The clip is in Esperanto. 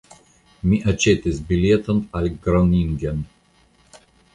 Mi aĉetis bileton al Groningen.